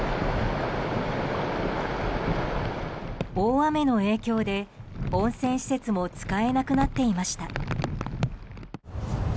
大雨の影響で、温泉施設も使えなくなっていました。